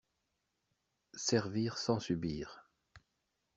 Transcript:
Servir sans subir